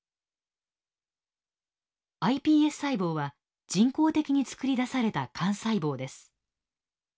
ｉＰＳ細胞は人工的につくり出された幹細胞です。